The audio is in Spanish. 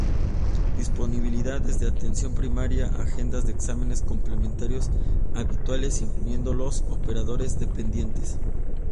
Disponibilidad desde atención primaria a agendas de exámenes complementarios habituales, incluyendo los operadores-dependientes.